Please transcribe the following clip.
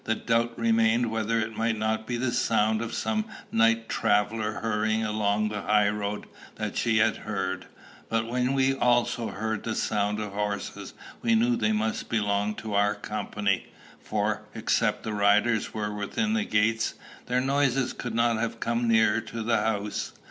the doubt remained whether it might not be the sound of some night traveller hurrying along that high road that she had heard. But when we also heard the sound of horses, we knew they must belong to our company; for, except the riders were within the gates, their noises could not have come nearer to the house.